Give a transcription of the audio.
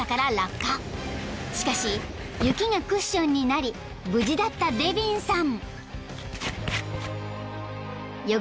［しかし雪がクッションになり無事だったデヴィンさん］